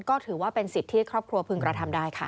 ก็ถือว่าเป็นสิทธิ์ที่ครอบครัวพึงกระทำได้ค่ะ